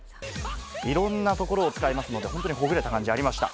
いろんな所を使いますので、本当にほぐれた感じありました。